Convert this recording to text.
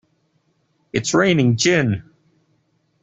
It's raining gin!